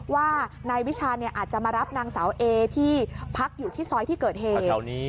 ว่านายวิชาอาจจะมารับนางสาวเอที่พักอยู่ที่ซอยที่เกิดเหตุ